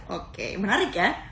oke menarik ya